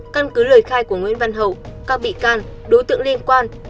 căn cứ lời khai của nguyễn văn hậu các bị can đối tượng liên quan